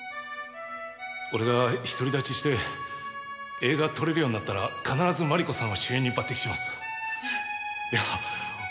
俺が独り立ちして映画撮れるようになったら必ず麻理子さんを主演に抜擢します。